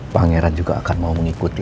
pangeran juga akan mau mengikuti